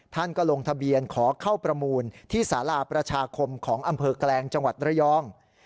ท่านก็ลงทะเบียนขอเข้าประมูลที่สาราประชาคมของอำเภอแกลงจังหวัดระยอง